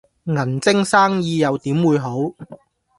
銀晶生意又點會好